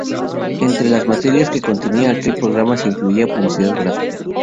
Entre las materias que contenía aquel programa se incluía la publicidad gráfica.